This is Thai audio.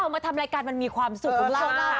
มาทำรายการมันมีความสุขของเรา